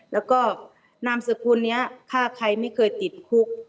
แล้วก็นามสกุลนี้ฆ่าใครไม่เคยติดคุก